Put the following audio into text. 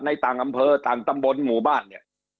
ในต่างอำเภอต่างตำบลหมู่บ้าน